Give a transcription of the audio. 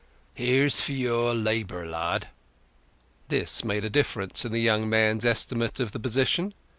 "Here's for your labour, lad." This made a difference in the young man's estimate of the position.